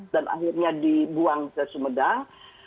dan akhirnya dibuang ke sumedang